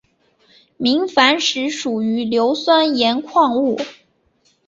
明矾石属于硫酸盐矿物。